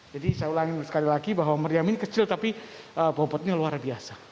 jadi saya ulangi sekali lagi bahwa meriam ini kecil tapi bobotnya luar biasa